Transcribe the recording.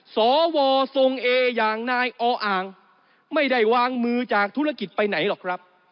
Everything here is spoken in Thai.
สวทรงเออย่างนายออ่างไม่ได้วางมือจากธุรกิจไปไหนหรอกครับ